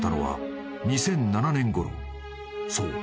［そう。